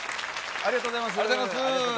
ありがとうございます。